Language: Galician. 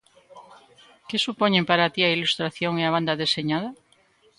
Que supoñen para ti a ilustración e a banda deseñada?